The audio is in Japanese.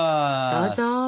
どうぞ！